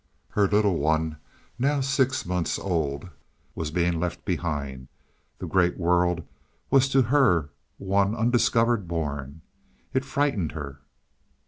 Her little one, now six months old, was being left behind. The great world was to her one undiscovered bourne. It frightened her.